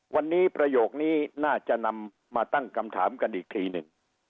วันนี้ประโยคนี้น่าจะนำมาตั้งคำถามกันอีกทีหนึ่ง